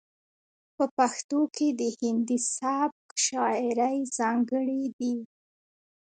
په پښتو کې د هندي سبک شاعرۍ ځاتګړنې دي.